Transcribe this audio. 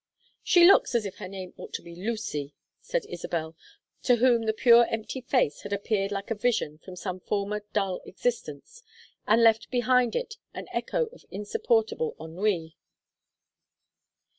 "She looks as if her name ought to be Lucy," said Isabel, to whom the pure empty face had appeared like a vision from some former dull existence, and left behind it an echo of insupportable ennui.